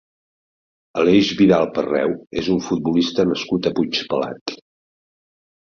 Aleix Vidal Parreu és un futbolista nascut a Puigpelat.